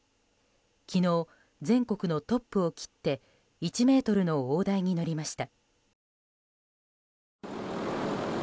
昨日、全国のトップを切って１ｍの大台に乗りました。